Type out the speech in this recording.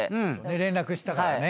連絡したからね。